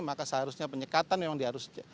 maka seharusnya penyekatan memang diharuskan